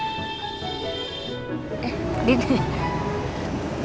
eh di sini